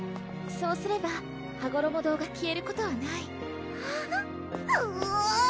そうすればはごろも堂が消えることはないふおぉ！